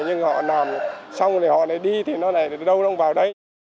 nhưng họ làm xong rồi họ lại đi thì nó lại đâu nó cũng vào đây